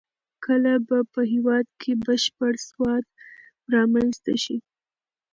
کله به په هېواد کې بشپړ سواد رامنځته شي؟